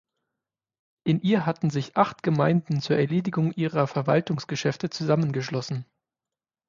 In ihr hatten sich acht Gemeinden zur Erledigung ihrer Verwaltungsgeschäfte zusammengeschlossen.